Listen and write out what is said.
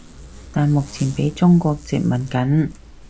但目前畀中國殖民緊